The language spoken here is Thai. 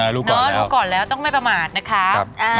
รู้ก่อนแล้วต้องไม่ประมาทนะคะ